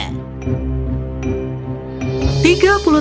dua tahun kemudian